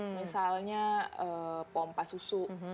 misalnya pompa susu